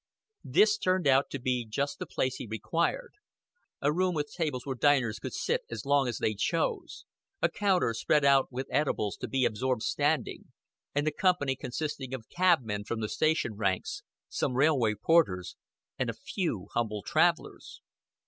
This turned out to be just the place he required a room with tables where diners could sit as long as they chose, a counter spread out with edibles to be absorbed standing, and the company consisting of cabmen from the station ranks, some railway porters, and a few humble travelers.